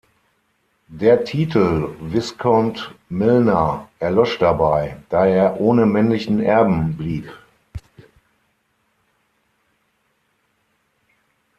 Der Titel "Viscount Milner" erlosch dabei, da er ohne männlichen Erben blieb.